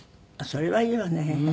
それはいいわね。